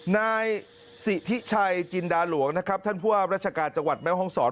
นายศิษฐิชัยจินดาหลวงนะครับท่านผู้อาบรัชกาจังหวัดแม้วห้องสอน